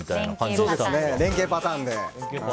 そうですね、連係パターンで。